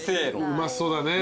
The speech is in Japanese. うまそうだね。